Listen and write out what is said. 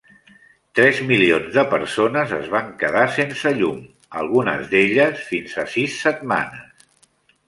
Tres milions de persones es van quedar sense llum, algunes d'elles fins a sis setmanes.